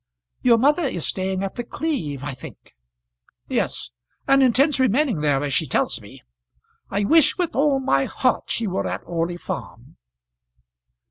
"Your mother is staying at The Cleeve, I think." "Yes, and intends remaining there as she tells me. I wish with all my heart she were at Orley Farm."